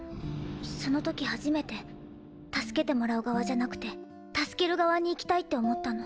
その時初めて助けてもらう側じゃなくて助ける側にいきたいって思ったの。